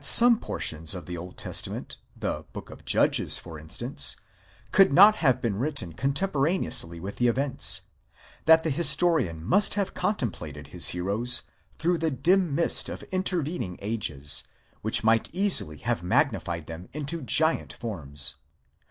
some portions of the Old Testament, the Book of Judges, for instance, could not have been written contemporaneously with the events ; that the historian must have contemplated his heroes through the dim mist of intervening ages, which might easily have magnified them into giant forms.